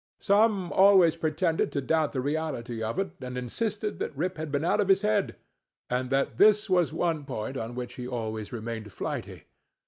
Some always pretended to doubt the reality of it, and insisted that Rip had been out of his head and that this was one point on which he always remained flighty.